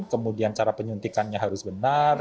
kemudian cara penyuntikannya harus benar